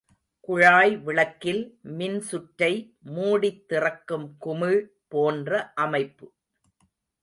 குழாய் விளக்கில் மின்சுற்றை மூடித் திறக்கும் குமிழ் போன்ற அமைப்பு.